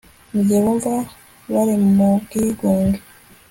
mu gihe bumva bari mu bwigunge